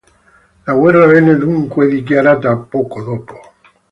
La guerra venne dunque dichiarata poco dopo.